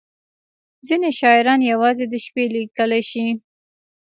• ځینې شاعران یوازې د شپې لیکلی شي.